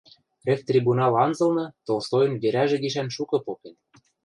Ревтрибунал анзылны Толстойын верӓжӹ гишӓн шукы попен.